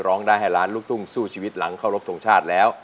ร้องได้ให้ล้านลูกทุ่งสู้ชีวิตหลังเข้ารบทรงชาติแล้ว